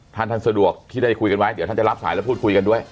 ท่านท่านสะดวกที่ได้คุยกันไว้เดี๋ยวท่านจะรับสายแล้วพูดคุยกันด้วย